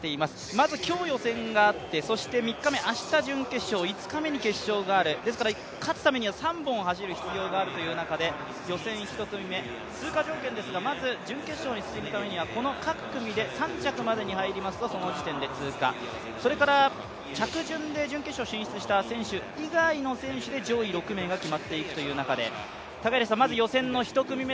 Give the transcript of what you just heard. まず今日予選があって３日目、明日準決勝、５日目に決勝がある、ですから勝つためには３本走る必要があるという中で予選１組目、通過条件ですが、まず準決勝に進むためにはこの各組で３着までに入りますとその時点で通過それから着順で準決勝進出した選手以外で上位６名が決まっていくという中でまず予選の１組目